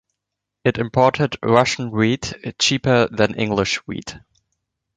It imported Russian wheat, cheaper than English wheat.